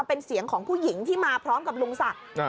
เป็นเสียงของผู้หญิงที่มาพร้อมกับลุงศักดิ์